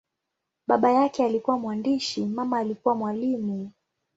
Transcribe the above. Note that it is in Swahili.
Baba yake alikuwa mwandishi, mama alikuwa mwalimu.